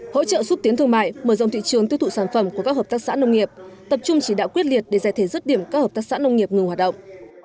hỗ trợ xúc tiến thương mại mở rộng thị trường tiêu thụ sản phẩm của các hợp tác xã nông nghiệp tập trung chỉ đạo quyết liệt để giải thể rứt điểm các hợp tác xã nông nghiệp ngừng hoạt động